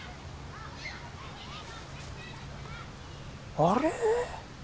あれ？